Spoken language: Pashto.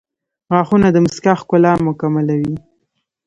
• غاښونه د مسکا ښکلا مکملوي.